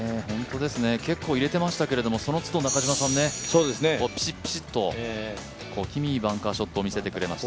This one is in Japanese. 結構入れてましたけど、その都度、中嶋さん、ピシッ、ピシッと小気味いいバンカーショットを見せてくれました。